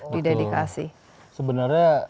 di dedikasi sebenarnya